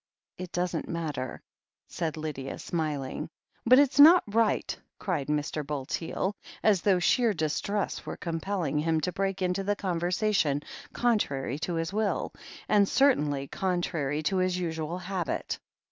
It doesn't matter," said Lydia, smiling. 'But it's not right," cried Mr. Bulteel, as though sheer distress were compelling him to break into the conversation contrary to his will, and certainly con trary to his usual habit.